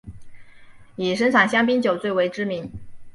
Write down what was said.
以生产香槟酒最为知名。